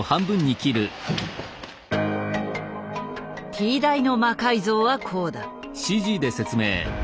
Ｔ大の魔改造はこうだ。